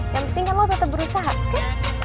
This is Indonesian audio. yang penting kamu tetep berusaha oke